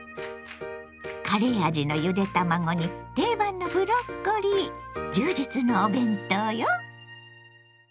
カレー味のゆで卵に定番のブロッコリー充実のお弁当よ。